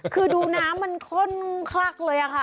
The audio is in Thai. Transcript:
คือดูน้ำมันข้นคลักเลยค่ะ